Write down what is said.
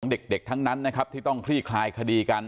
เด็กทั้งนั้นนะครับที่ต้องคลี่คลายคดีกัน